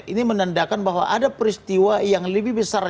ini menandakan bahwa ada peristiwa yang lebih besar